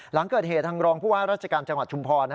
หลังเกิดเหตุทางรองภวารัชกาลจังหวัดชุมภอร์